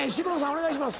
お願いします。